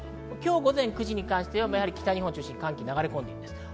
今日午前９時に関しては北日本を中心に寒気が流れ込んでいます。